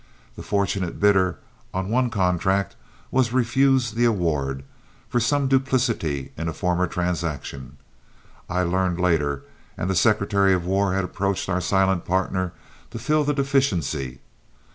The fortunate bidder on one contract was refused the award, for some duplicity in a former transaction, I learned later, and the Secretary of War had approached our silent partner to fill the deficiency.